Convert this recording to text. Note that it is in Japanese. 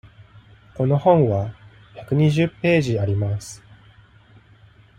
この本は百二十ページあります。